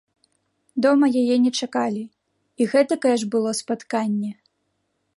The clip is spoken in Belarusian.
Дома яе не чакалі, і гэтакае ж было спатканне!